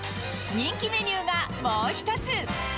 人気メニューがもう一つ。